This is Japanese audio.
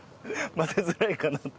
混ぜづらいかなって。